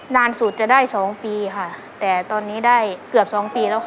นานสุดจะได้๒ปีค่ะแต่ตอนนี้ได้เกือบสองปีแล้วค่ะ